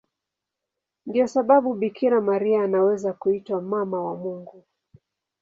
Ndiyo sababu Bikira Maria anaweza kuitwa Mama wa Mungu.